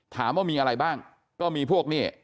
ถามว่ามีอะไรบ้างก็มีพวกนี่